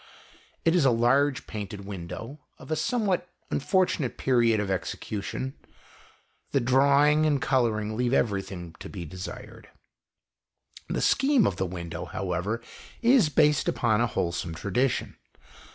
It is a large painted window, of a somewhat unfortu nate period of execution. The drawing and colouring leave everything to be desired. The scheme of the window, however, is based upon a wholesome tradition.